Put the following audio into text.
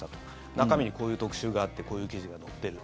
中身にこういう特集があってこういう記事が載ってる。